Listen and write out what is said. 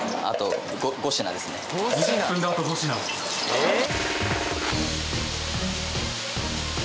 えっ？